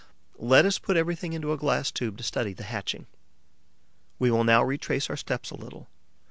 Let us put everything into a glass tube to study the hatching. We will now retrace our steps a little.